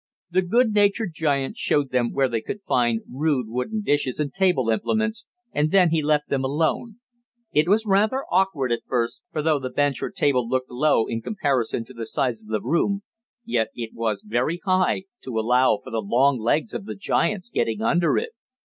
The good natured giant showed them where they could find rude wooden dishes and table implements, and then he left them alone. It was rather awkward at first, for though the bench or table looked low in comparison to the size of the room, yet it was very high, to allow for the long legs of the giants getting under it.